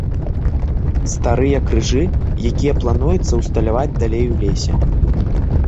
Старыя крыжы, якія плануецца ўсталяваць далей у лесе.